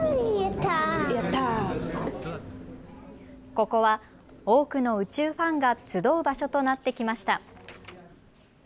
ここは多くの宇宙ファンが集う場所となってきました。